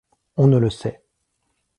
On ne le sait.